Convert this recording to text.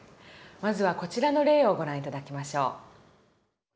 まずはこちらの例をご覧頂きましょう。